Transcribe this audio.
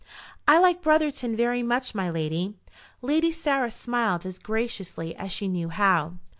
"I like Brotherton very much, my lady." Lady Sarah smiled as graciously as she knew how.